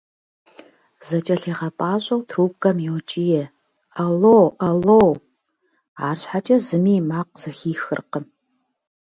ЗэкIэлъигъэпIащIэу трубкэм йокIие: «Алло! Алло!» АрщхьэкIэ зыми и макъ зэхихыркъым.